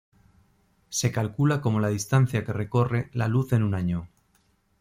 Se calcula como la distancia que recorre la luz en un año.